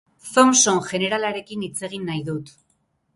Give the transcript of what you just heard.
Thompson jeneralarekin hitz egin nahi dut.